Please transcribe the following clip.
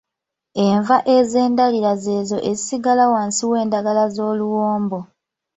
Enva ez’endalira ze ezo ezisigalira wansi w’endagala z’oluwombo.